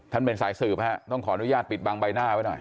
เป็นสายสืบฮะต้องขออนุญาตปิดบังใบหน้าไว้หน่อย